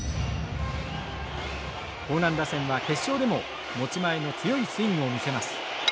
興南打線は決勝でも持ち前の強いスイングを見せます。